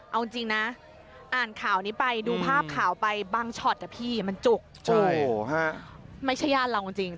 เอาจริงนะอ่านข่าวนี้ไปดูภาพข่าวไปบางช็อตพี่มันจุกไม่ใช่ญาติเราจริง